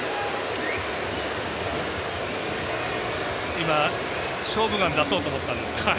今、「勝負眼」出そうと思ったんですけど。